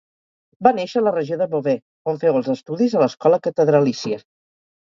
Va néixer a la regió de Beauvais, on féu els estudis a l'escola catedralícia.